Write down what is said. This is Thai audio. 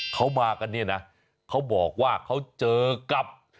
เขามากันเนี่ยนะเขาบอกว่าเขาเจอกับ